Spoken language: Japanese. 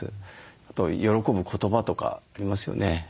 あと喜ぶ言葉とかありますよね。